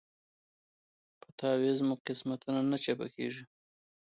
په تعویذ مو قسمتونه چپه کیږي